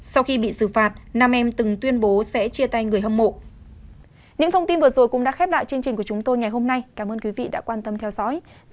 sau khi bị xử phạt nam em từng tuyên bố sẽ chia tay người hâm mộ